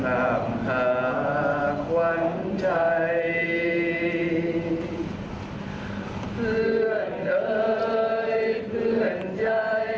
ลาใครแล้วเพื่อนใจไม่มา